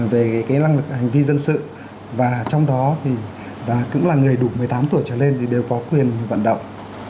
về cái năng lực hành vi dân sự và trong đó thì cũng là người đủ một mươi tám tuổi trở lên thì đều có quyền vận động